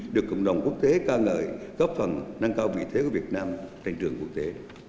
được cộng đồng quốc tế ca ngợi góp phần nâng cao vị thế của việt nam trên trường quốc tế